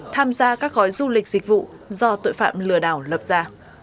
tham gia các gói du lịch dịch vụ do tội phạm lừa đảo lập ra